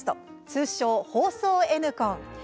通称「放送Ｎコン」。